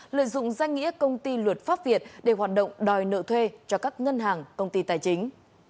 lợi dụng danh nghĩa công ty luật pháp việt để hoạt động đòi nợ thuê cho các ngân hàng công ty tài chính